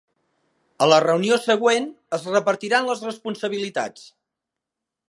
A la reunió següent es repartiran les responsabilitats.